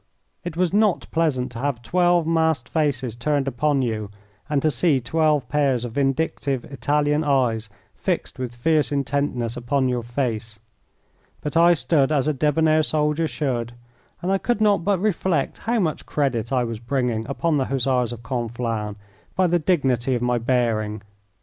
It was not pleasant to have twelve masked faces turned upon you and to see twelve pairs of vindictive Italian eyes fixed with fierce intentness upon your face. But I stood as a debonair soldier should, and I could not but reflect how much credit I was bringing upon the Hussars of Conflans by the dignity of my bearing.